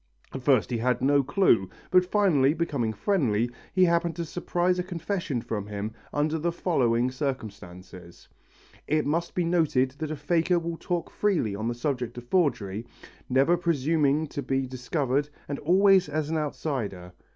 At first he had no clue, but finally, becoming friendly, he happened to surprise a confession from him under the following circumstances. It must be noted that a faker will talk freely on the subject of forgery, never presuming to be discovered and always as an outsider.